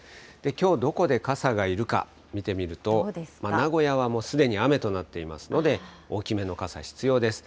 きょう、どこで傘がいるか、見てみると、名古屋はもうすでに雨となっていますので、大きめの傘が必要です。